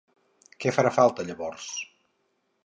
Què farà falta llavors?